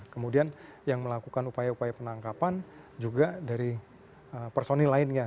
kemudian yang melakukan upaya upaya penangkapan juga dari personil lainnya